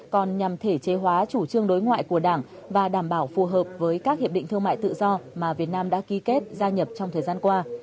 còn nhằm thể chế hóa chủ trương đối ngoại của đảng và đảm bảo phù hợp với các hiệp định thương mại tự do mà việt nam đã ký kết gia nhập trong thời gian qua